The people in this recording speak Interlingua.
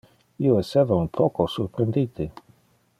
Io esseva un poco surprendite.